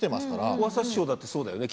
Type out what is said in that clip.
小朝師匠だってそうだよねきっと。